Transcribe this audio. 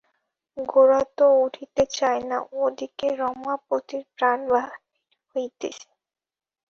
গোরা তো উঠিতে চায় না, ও দিকে রমাপতির প্রাণ বাহির হইতেছে।